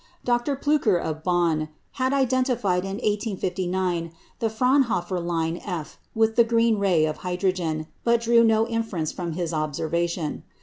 Dr. Plücker of Bonn had identified in 1859 the Fraunhofer line F with the green ray of hydrogen, but drew no inference from his observation.